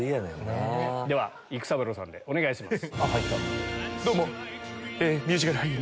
では育三郎さんでお願いします。